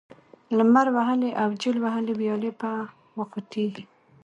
لمر وهلې او جل وهلې ويالې به وخوټېږي،